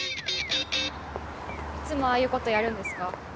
いつもああいう事やるんですか？